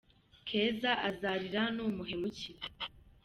Keza azarira numuhemukira